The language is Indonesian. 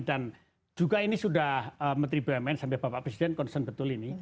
dan juga ini sudah menteri bumn sampai bapak presiden konsen betul ini